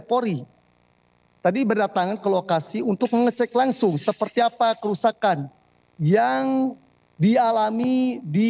polri tadi berdatangan ke lokasi untuk mengecek langsung seperti apa kerusakan yang dialami di